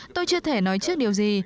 tôi chưa thể nói trước điều gì